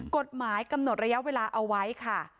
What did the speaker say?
กฎหมายกำหนดระยะเวลาเอาไว้ค่ะ